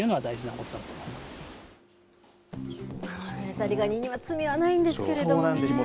ザリガニには罪はないんですけれどもね。